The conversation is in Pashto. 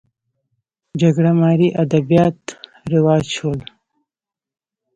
جګړه مارۍ ادبیات رواج شول